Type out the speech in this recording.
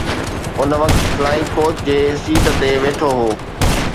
ان وقت flying coach جي seat تي ويٺو هو